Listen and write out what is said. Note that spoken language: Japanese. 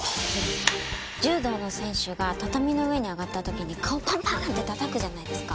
柔道の選手が畳の上に上がった時に顔をパンパンってたたくじゃないですか。